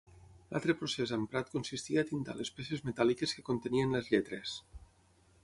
L’altre procés emprat consistia a tintar les peces metàl·liques que contenien les lletres.